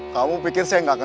kamu pikir saya gak kenal kamu